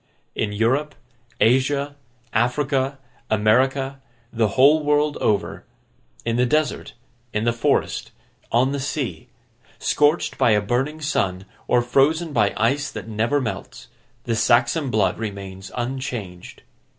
In Europe, Asia, Africa, America, the whole world over; in the desert, in the forest, on the sea; scorched by a burning sun, or frozen by ice that never melts; the Saxon blood remains unchanged.